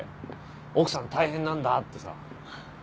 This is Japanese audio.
「奥さん大変なんだ」ってさ。